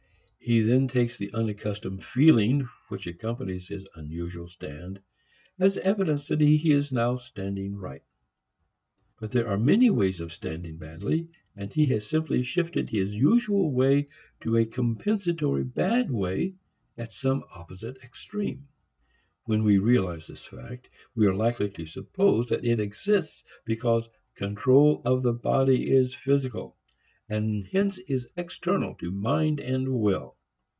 He then takes the unaccustomed feeling which accompanies his unusual stand as evidence that he is now standing right. But there are many ways of standing badly, and he has simply shifted his usual way to a compensatory bad way at some opposite extreme. When we realize this fact, we are likely to suppose that it exists because control of the body is physical and hence is external to mind and will.